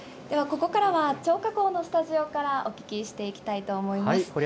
ではここからは張家口のスタジオからお聞きしていきたいと思います。